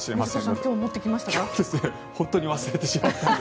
今日持ってきましたか？